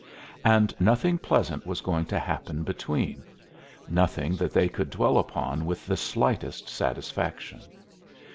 And nothing pleasant was going to happen between, nothing that they could dwell upon with the slightest satisfaction.